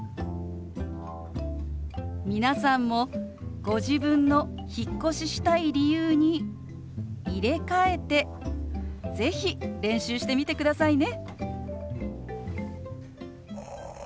皆さんもご自分の引っ越ししたい理由に入れ替えて是非練習してみてくださいね。